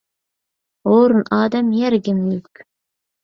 ھورۇن ئادەم يەرگىمۇ يۈك.